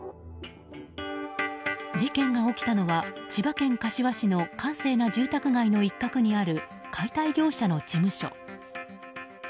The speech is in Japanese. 事件が起きたのは千葉県柏市の閑静な住宅街の一角にある解体業者の事務所。